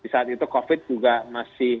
saat itu covid sembilan belas juga masih